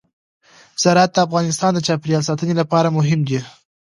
زراعت د افغانستان د چاپیریال ساتنې لپاره مهم دي.